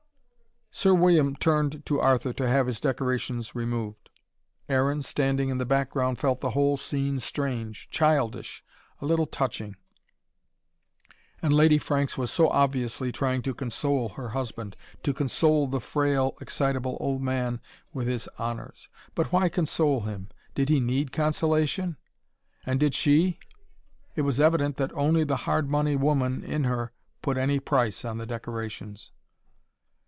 Sir William turned to Arthur to have his decorations removed. Aaron, standing in the background, felt the whole scene strange, childish, a little touching. And Lady Franks was so obviously trying to console her husband: to console the frail, excitable old man with his honours. But why console him? Did he need consolation? And did she? It was evident that only the hard money woman in her put any price on the decorations.